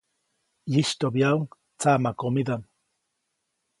ʼYistyoʼbyaʼuŋ tsaʼmakomidaʼm.